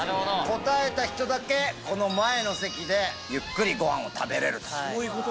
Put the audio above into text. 答えた人だけこの前の席でゆっくりごはんを食べれると。